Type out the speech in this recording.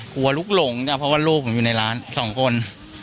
กลัวลุกหลงเพราะว่าลูกผมอยู่ในร้าน๒คน